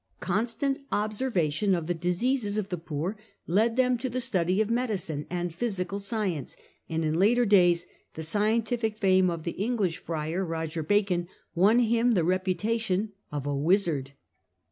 Constant observation of the diseases of the poor led them to the study of medicine and physical science, and in later days the scientific fame of the English friar, Roger Bacon, won him the reputation of a wizard.